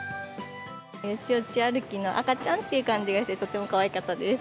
よちよち歩きの赤ちゃんっていう感じがして、とてもかわいかったです。